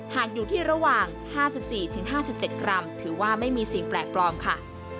หากอยู่ที่ระหว่าง๕๔๕๗กรัมถือว่าไม่มีสิ่งแปลกปลอมค่ะ